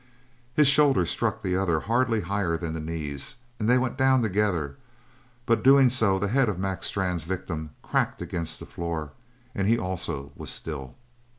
His shoulders struck the other hardly higher than the knees, and they went down together, but so doing the head of Mac Strann's victim cracked against the floor, and he also was still.